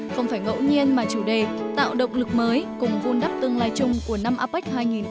không phải ngẫu nhiên mà chủ đề tạo động lực mới cùng vun đắp tương lai chung của năm apec hai nghìn hai mươi